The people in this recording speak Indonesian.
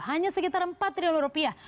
hanya sekitar empat triliun rupiah